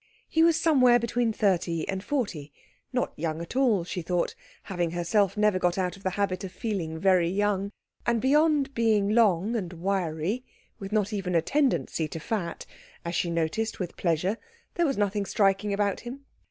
He was somewhere between thirty and forty, not young at all, she thought, having herself never got out of the habit of feeling very young; and beyond being long and wiry, with not even a tendency to fat, as she noticed with pleasure, there was nothing striking about him.